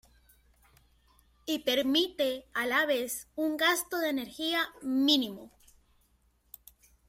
Y permite a la vez un gasto de energía mínimo.